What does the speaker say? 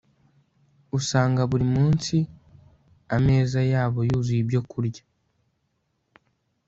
usanga buri munsi ameza yabo yuzuye ibyokurya